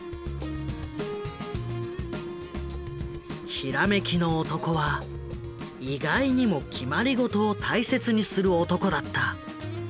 ひらめきの男は意外にも決まりごとを大切にする男だった。